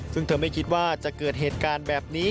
ซึ่งเธอไม่คิดว่าจะเกิดเหตุการณ์แบบนี้